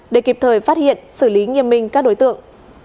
để kịp thời phát hiện xử lý nghiêm minh các đối tượng